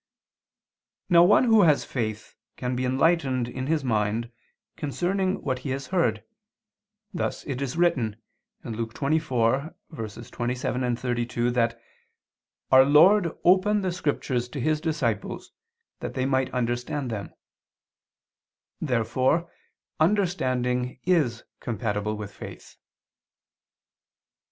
Now one who has faith can be enlightened in his mind concerning what he has heard; thus it is written (Luke 24:27, 32) that Our Lord opened the scriptures to His disciples, that they might understand them. Therefore understanding is compatible with faith.